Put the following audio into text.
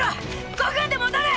５分で戻る！